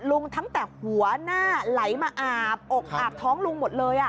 ตั้งแต่หัวหน้าไหลมาอาบอกอาบท้องลุงหมดเลย